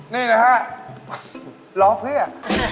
นี่นะฮะร้องเพื่อ